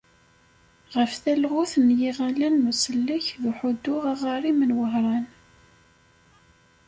Ɣef talɣut n yiɣallen n usellek d uḥuddu aɣarim n Wehran.